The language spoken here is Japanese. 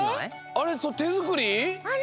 あれてづくり？